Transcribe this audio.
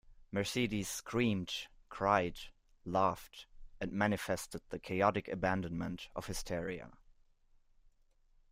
Mercedes screamed, cried, laughed, and manifested the chaotic abandonment of hysteria.